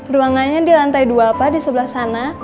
ruangannya di lantai dua apa di sebelah sana